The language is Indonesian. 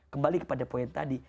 kembali kepada poin tadi